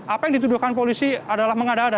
apa yang dituduhkan polisi adalah mengada ada